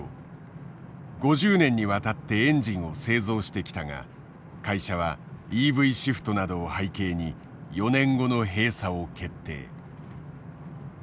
５０年にわたってエンジンを製造してきたが会社はＥＶシフトなどを背景に４年後の閉鎖を決定。